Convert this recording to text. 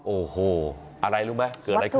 โอ้โหอะไรรู้ไหมเกิดอะไรขึ้น